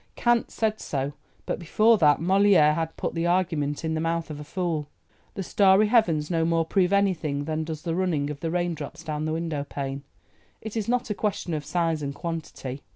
Kant said so, but before that Molière had put the argument in the mouth of a fool. The starry heavens no more prove anything than does the running of the raindrops down the window pane. It is not a question of size and quantity."